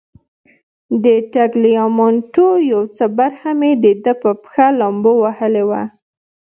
د تګلیامنتو یو څه برخه مې د ده په پښه لامبو وهلې وه.